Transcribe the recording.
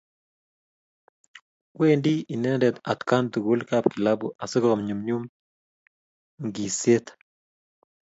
Wendi inendet atkaan tugul kapkilabu asi konyumnyum ng'iiseet.